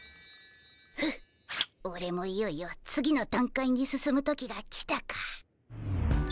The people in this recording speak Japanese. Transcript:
フッオレもいよいよ次の段階に進む時が来たか。